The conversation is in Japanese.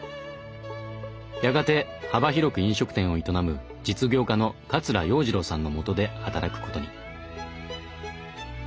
やがて幅広く飲食店を営む実業家の桂洋二郎さんのもとで働くことに。